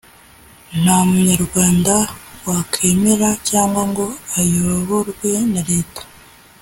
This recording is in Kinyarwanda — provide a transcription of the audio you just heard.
Nta Munyarwanda wakwemera cyangwa ngo ayoborwe na Leta